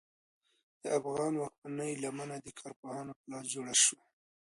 د افغان واکمنۍ لمنه د کارپوهانو په لاس جوړه شوه.